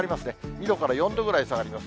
２度から４度ぐらい下がります。